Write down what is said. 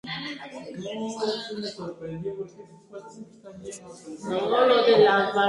Eso es un grave error.